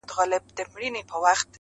د زنده گۍ ياري كړم,